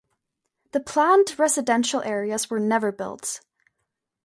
The planned residential areas were never built.